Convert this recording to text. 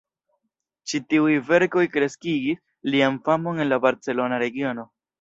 Ĉi tiuj verkoj kreskigis lian famon en la barcelona regiono.